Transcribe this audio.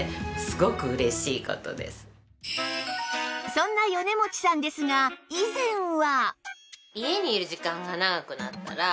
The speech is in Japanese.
そんな米持さんですが以前は